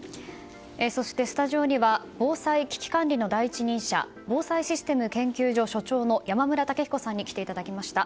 そして、スタジオには防災・危機管理の第一人者防災システム研究所所長の山村武彦さんに来ていただきました。